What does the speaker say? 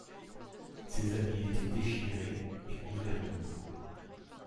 Ses habits étaient déchirés et couverts de boue.